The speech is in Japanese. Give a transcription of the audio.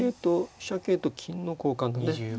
桂と金の交換だね。